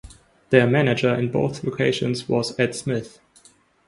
Their manager in both locations was Ed Smith.